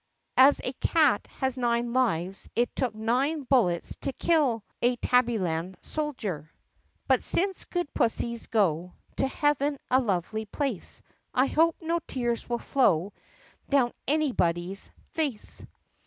As a cat has nine lives it took nine bullets to kill "abbyland soldier. (But since good pussies go To heaven, a lovely place, I hope no tears will flow Down anybody's face.)